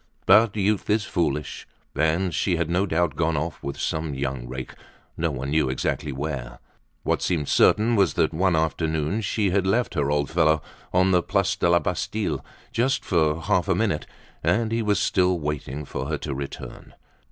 But youth is foolish, and she had no doubt gone off with some young rake, no one knew exactly where. What seemed certain was that one afternoon she had left her old fellow on the Place de la Bastille, just for half a minute, and he was still waiting for her to return.